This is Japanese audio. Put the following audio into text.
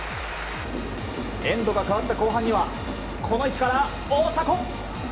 エンドが変わった後半にはこの位置から、大迫！